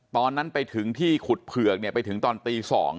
ตอนนั้นไปถึงที่ขุดเผือกไปถึงตอนตี๒